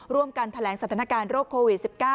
ร่วมกันแถลงสัตย์ธนาคารโรคโควิด๑๙